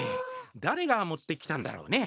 誰が持ってきたんだろうね？